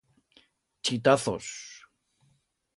Chitaz-os.